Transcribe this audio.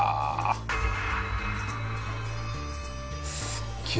すっげえ。